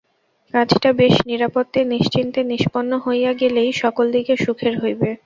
কাজটা বেশ নিরাপত্তে নিশ্চিন্তে নিষ্পন্ন হইয়া গেলেই সকল দিকে সুখের হইবে।